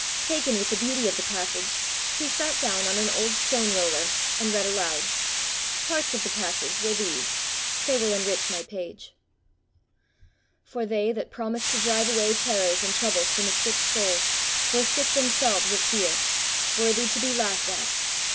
Taken with the beauty of the passage, he sat down on an old stone roller, and read aloud. Parts of the passage were these they will enrich my page: "For they, that promised to drive away terrors and troubles from a sick soul, were sick themselves of fear, worthy to be laughed at.